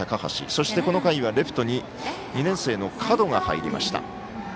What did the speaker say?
そして、この回はレフトに２年生の角が入りました。